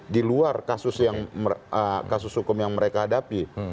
di luar kasus hukum yang mereka hadapi